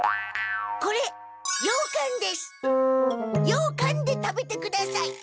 ようかんで食べてください。